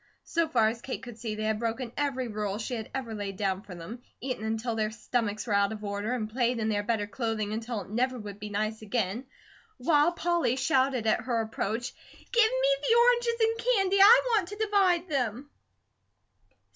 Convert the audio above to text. So far as Kate could see they had broken every rule she had ever laid down for them: eaten until their stomachs were out of order, and played in their better clothing, until it never would be nice again, while Polly shouted at her approach: "Give ME the oranges and candy. I want to divide them."